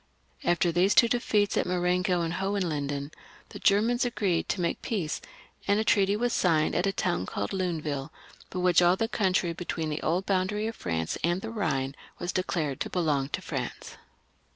After these two defeats of Marengo and Hohenlinden, the Germans agreed to make peace, and a treaty was signed at a town called Luneville, by which all the country between the old boundary of France and the Ehine was declared to belong to France.